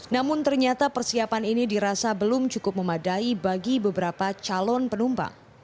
namun ternyata persiapan ini dirasa belum cukup memadai bagi beberapa calon penumpang